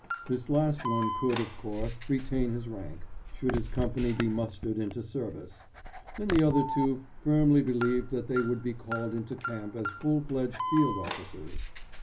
This last one could, of course, retain his rank, should his company be mustered into service, and the other two firmly believed that they would be called into camp as full fledged field officers.